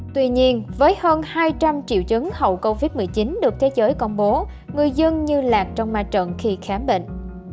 tuy nhiên với hơn hai trăm linh triệu chứng hậu covid một mươi chín được thế giới công bố người dân như lạc trong ma trận khi khám bệnh